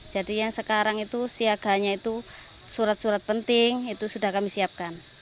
jadi yang sekarang itu siaganya itu surat surat penting itu sudah kami siapkan